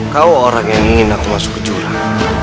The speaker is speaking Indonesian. kau orang yang ingin aku masuk ke jurang